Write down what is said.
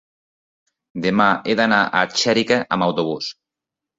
Demà he d'anar a Xèrica amb autobús.